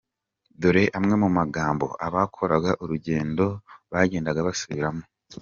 Dore amwe mu magambo abakoraga urugendo bagendaga basubiramo.